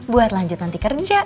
buat lanjut nanti kerja